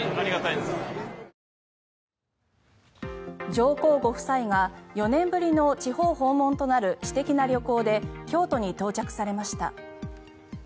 上皇ご夫妻が４年ぶりの地方訪問となる私的な旅行で京都に到着されました。